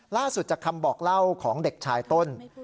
จากคำบอกเล่าของเด็กชายต้น